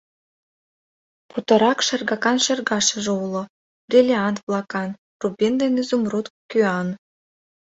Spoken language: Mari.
— Путырак шергакан шергашыже уло, бриллиант-влакан, рубин ден изумруд кӱан.